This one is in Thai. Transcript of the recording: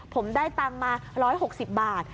ผมได้ตังค์มา๑๖๐บาท